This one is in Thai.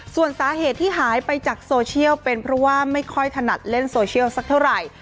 ส่วนสาเหตุที่หายไปจากโซเชียลเป็นเพราะว่าไม่ค่อยถนัดเล่นโซเชียลสักเท่าไหร่